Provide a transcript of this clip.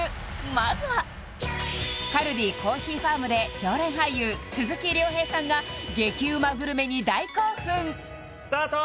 まずはカルディコーヒーファームで常連俳優鈴木亮平さんが激うまグルメに大興奮スタート！